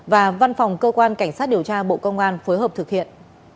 và văn phòng cơ quan cảnh sát điều tra bộ công an phối hợp thực hiện